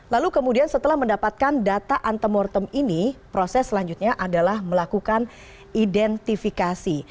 lalu kemudian setelah mendapatkan data antemortem ini proses selanjutnya adalah melakukan identifikasi